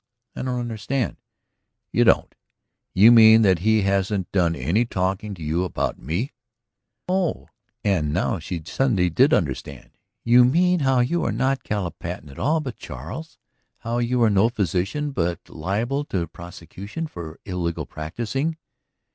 "I don't understand ..." "You don't? You mean that he hasn't done any talking to you about me?" "Oh!" And now suddenly she did understand. "You mean how you are not Caleb Patten at all but Charles? How you are no physician but liable to prosecution for illegal practising?"